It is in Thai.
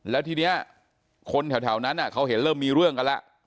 แล้วทีนี้คนแถวนั้นเขาเห็นเริ่มมีเรื่องกันแล้ว